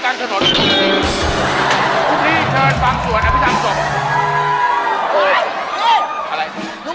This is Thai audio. แต่โลศรียนหลังป้อมคอหักตายกลางถนน